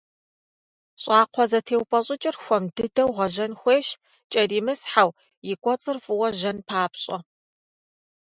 Щӏакхъуэзэтеупӏэщӏыкӏыр хуэм дыдэу гъэжьэн хуейщ, кӏэримысхьэу и кӏуэцӏыр фӏыуэ жьэн папщӏэ.